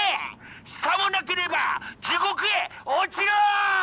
さもなければ地獄へ落ちろー！